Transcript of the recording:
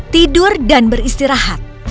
tidur dan beristirahat